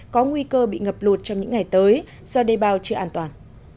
có nguy cơ bị ngập lụt trong những ngày tới do đề bào chưa an toàn